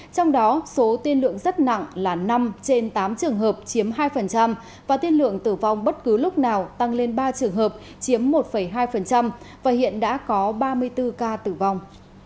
trong đó số tiên lượng rất nặng là năm trên tám trường hợp chiếm hai và tiên lượng tử vong bất cứ lúc nào tăng lên ba trường hợp chiếm một hai và hiện đã có ba mươi bốn ca tử vong